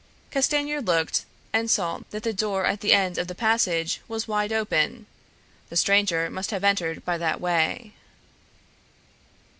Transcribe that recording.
Castanier looked, and saw that the door at the end of the passage was wide open; the stranger must have entered by that way.